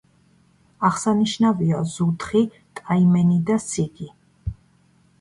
აღსანიშნავია: ზუთხი, ტაიმენი და სიგი.